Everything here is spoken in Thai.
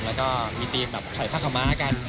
แล้วก็มีทีมแบบใส่ผ้าขาวม้ากัน